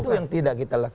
itu yang tidak kita lakukan